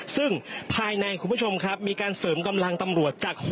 ซึ่งภายในคุณผู้ชมครับมีการเสริมกำลังตำรวจจาก